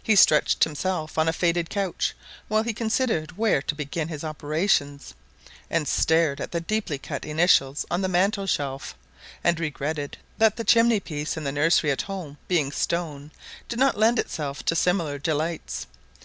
He stretched himself on a faded couch while he considered where to begin his operations, and stared at the deeply cut initials on the mantelshelf, and regretted that the chimney piece in the nursery at home, being stone, did not lend itself to similar delights.